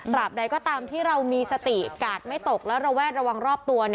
ใดก็ตามที่เรามีสติกาดไม่ตกและระแวดระวังรอบตัว